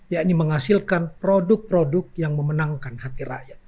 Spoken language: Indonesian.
yakni menghasilkan produk produk yang memenangkan hati rakyat